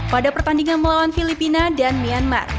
pada pertandingan melawan filipina dan myanmar